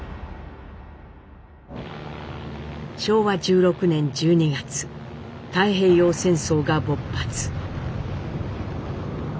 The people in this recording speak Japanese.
昭和１６年１２月太平洋戦争が勃発。